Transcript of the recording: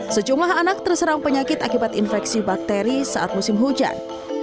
sejumlah anak terserang penyakit akibat infeksi bakteri saat musim hujan